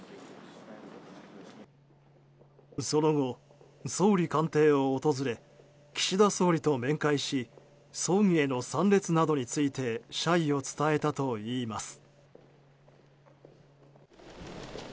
その後、総理官邸を訪れ岸田総理と面会し葬儀への参列などについて謝意を伝えたといいます。